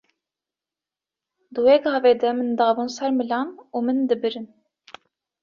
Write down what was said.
Di wê gavê de min dabûn ser milan û min dibirin.